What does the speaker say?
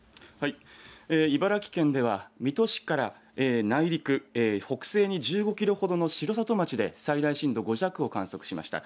茨城県では水戸市から内陸、北西に１５キロほどの城里町で最大震度５弱を観測しました。